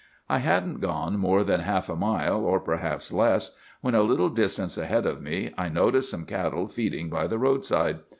"'I hadn't gone more than half a mile, or perhaps less, when a little distance ahead of me I noticed some cattle feeding by the roadside.